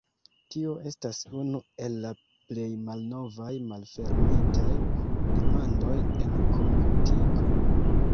Tio estas unu el la plej malnovaj malfermitaj demandoj en komputiko.